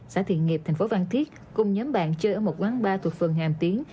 xã thiện nghiệp tp phan thiết cùng nhóm bạn chơi ở một quán bar thuộc phường hàm tiến